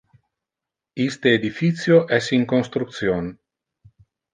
Iste edificio es in construction.